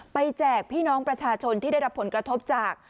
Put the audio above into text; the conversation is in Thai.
แจกพี่น้องประชาชนที่ได้รับผลกระทบจาก